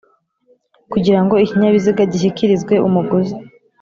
kugirango ikinyabiziga gishyikirizwe umuguzi.